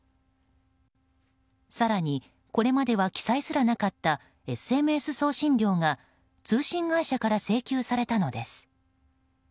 更にこれまでは記載すらなかったＳＭＳ送信料が通信会社から請求されたのです。